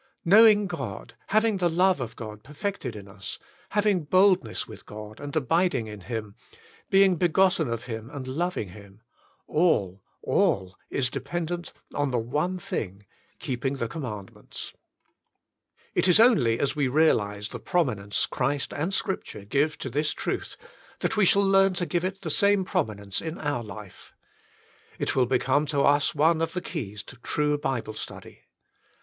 Knowing God, having the love of God perfected in us, having boldness with God, and abiding in Him, being begotten of Him and loving Him — all, all, is dependent on the one thing — Keeping the Com mandments. It is only as we realise the prominence Christ and Scripture give to this truth, that we shall learn to give it the same prominence in our life. It will become to us one of the keys to true Bible study.